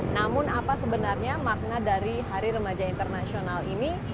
namun apa sebenarnya makna dari hari remaja internasional ini